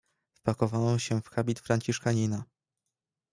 "Wpakowałem się w habit franciszkanina."